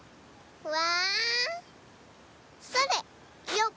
うわ！